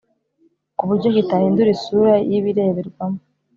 kuburyo kitahindura isura y’ibireberwamo